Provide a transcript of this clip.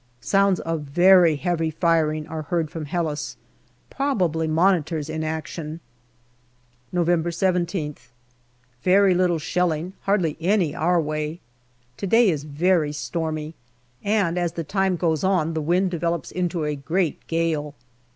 Sounds of very heavy firing are heard from Helles, probably Monitors in action. November 17th. Very little shelling, hardly any our way. To day is very stormy, and as the time goes on the wind develops into a great gale.